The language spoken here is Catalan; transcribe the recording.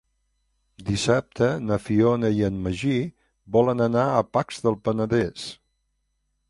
Dissabte na Fiona i en Magí volen anar a Pacs del Penedès.